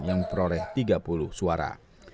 yang memperoleh tiga puluh suara